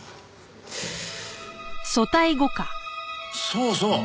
そうそう。